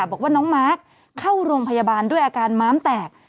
บอกว่าน้องมาร์คเข้าโรงพยาบาลด้วยอาการม้ามแตก